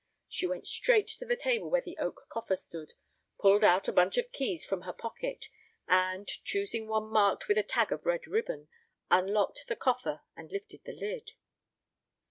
She went straight to the table where the oak coffer stood, pulled out a bunch of keys from her pocket, and, choosing one marked with a tag of red ribbon, unlocked the coffer and lifted the lid.